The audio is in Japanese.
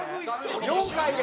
「４回で？」